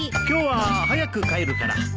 今日は早く帰るから。